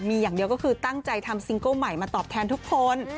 มีอย่างเดียวก็คือตั้งใจทำซิงเกิ้ลใหม่มาตอบแทนทุกคน